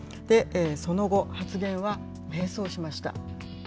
その後、発言は迷走しました。